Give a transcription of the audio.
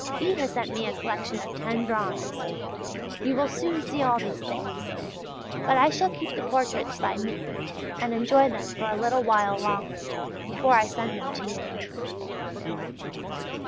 B. has sent me a collection of ten drawings.... You will soon see all these things; but I shall keep the portraits by me, and enjoy them for a little while longer, before I send them to you.